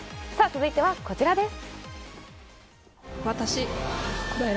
続いては、こちらです。